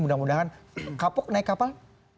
mudah mudahan kapok naik kapal